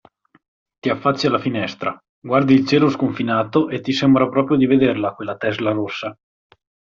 Ti affacci alla finestra, guardi il cielo sconfinato e ti sembra proprio di vederla quella Tesla rossa.